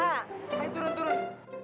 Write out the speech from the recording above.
ayo turun turun